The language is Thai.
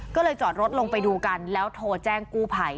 ก็เลยจอดรถลงไปดูกันแล้วโทรแจ้งกู้ภัย